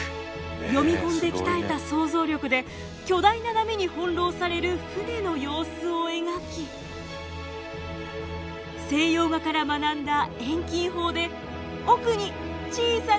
読本で鍛えた想像力で巨大な波に翻弄される船の様子を描き西洋画から学んだ遠近法で奥に小さな富士山を描きました。